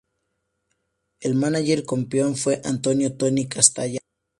El mánager campeón fue Antonio "Tony" Castaño.